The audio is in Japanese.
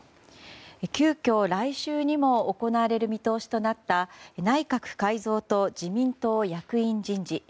急きょ来週にも行われる見通しとなった内閣改造と自民党役員人事。